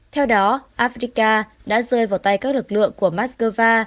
theo đó afrika đã rơi vào tay các lực lượng của moscow